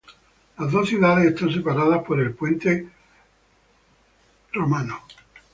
Las dos ciudades están separadas por el puente Windsor.